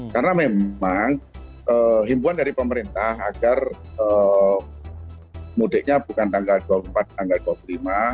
karena memang himpuan dari pemerintah agar mudiknya bukan tanggal dua puluh empat tanggal dua puluh lima